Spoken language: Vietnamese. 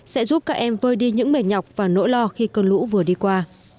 sẽ giúp các em vơi đi những mệt nhọc và nỗi lo khi cơn lũ vừa đi qua